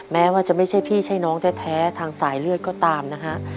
แม้ว่าจะไม่ใช่พี่ใช่น้องแท้ทางสายเลือดก็ตามนะฮะ